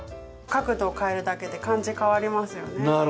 角度を変えるだけで感じ変わりますよね。